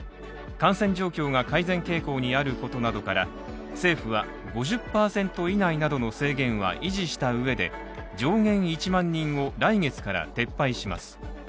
感染状況が改善傾向にあることなどから、政府は５０％以内などの制限は維持した上で、上限１万人を、来月から撤廃します。